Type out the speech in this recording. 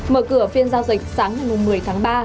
mở cửa phiên giao dịch sáng ngày một mươi tháng ba